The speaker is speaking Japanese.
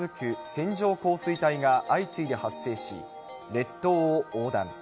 線状降水帯が相次いで発生し、列島を横断。